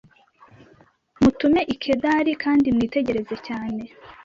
mutume i Kedari kandi mwitegereze cyane,